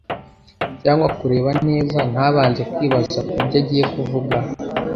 cyangwa kureba neza, ntabanze kwibaza ku byo agiye kuvuga.